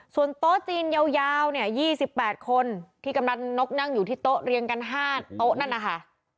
ส่วนโต๊ะจีนยาวเนี่ย๒๘คนที่กำลังนกนั่งอยู่ที่โต๊ะเรียงกัน๕โต๊ะนั่นนะคะ